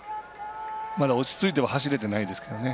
まだ落ち着いては走れてないですけどね。